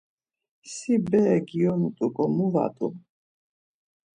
Si bere giyonut̆uǩo mu vat̆u?